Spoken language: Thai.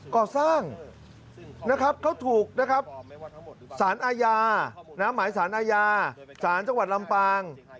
ก่อสร้างเขาถูกสารอาญาหมายสารอาญาสารจังหวัดลำปาง